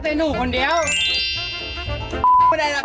สกิดยิ้ม